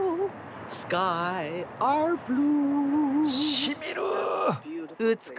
しみる。